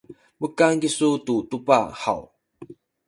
mukan kisu tu tubah haw?